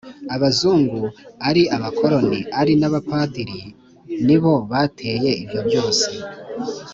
abazungu, ari abakoloni ari n'abapadiri nibo bateye ibyo byose.